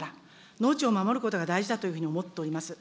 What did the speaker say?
農地を守ることが大事だというふうに思っております。